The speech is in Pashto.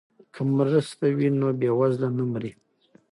که مرسته وي نو بیوزله نه مري.